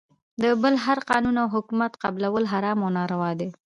د بل هر قانون او حکومت قبلول حرام او ناروا دی .